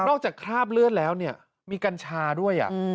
นอกจากคราบเลือดแล้วเนี่ยมีกัญชาด้วยอ่ะอืม